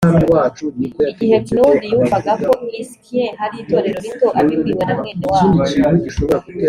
igihe knud yumvaga ko i skien hari itorero rito abibwiwe na mwene wabo